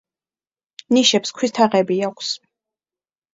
ნიშებს ქვის თაღები აქვს.